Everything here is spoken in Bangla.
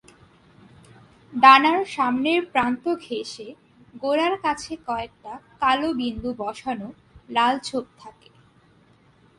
ডানার সামনের প্রান্ত ঘেঁষে গোড়ার কাছে কয়েকটা কালো বিন্দু বসানো লাল ছোপ থাকে।